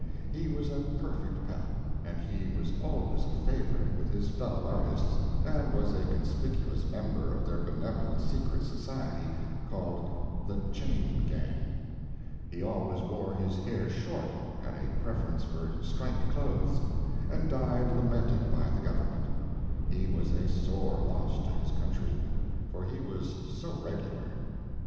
He was a perfect pet. And he was always a favorite with his fellow artists, and was a conspicuous member of their benevolent secret society, called the Chain Gang. He always wore his hair short, had a preference for striped clothes, and died lamented by the government. He was a sore loss to his country. For he was so regular.